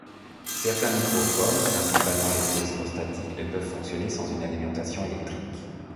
Certains microphones, principalement les électrostatiques, ne peuvent fonctionner sans une alimentation électrique.